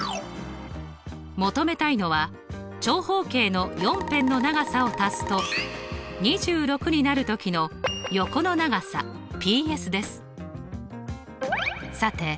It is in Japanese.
求めたいのは長方形の４辺の長さを足すと２６になるときの横の長さＰＳです。